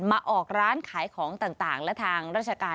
มาออกร้านขายของต่างและทางราชการ